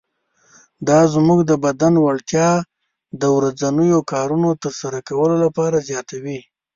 دا زموږ د بدن وړتیا د ورځنیو کارونو تر سره کولو لپاره زیاتوي.